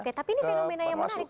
oke tapi ini fenomena yang menarik